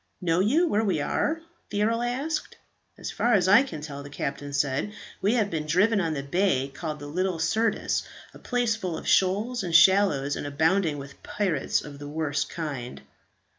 "Know you where we are?" the earl asked. "As far as I can tell," the captain said, "we have been driven up the bay called the Little Syrtis a place full of shoals and shallows, and abounding with pirates of the worst kind."